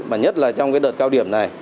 và nhất là trong cái đợt cao điểm này